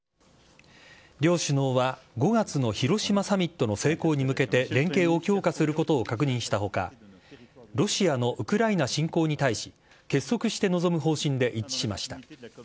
両首脳は５月の広島サミットの成功に向けて連携を強化することを確認したほか、ロシアのウクライナ侵攻に対し、結束して臨む方針で一致しました。